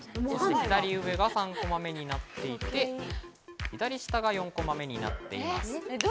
左上が３コマ目になっていて、左下が４コマ目になっています。